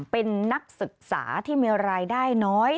เป็นนักศึกษาที่มีรายได้น้อย